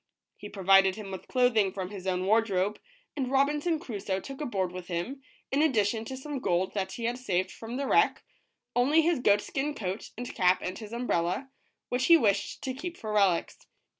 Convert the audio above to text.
He provided him with clothing from Irs own wardrobe, i^nd Robinson Crusoe took aboard with him, in addition to some gold that he had saved from the wreck, only his goat skin coat and cap and his umbrella, which he wished to keep for relics.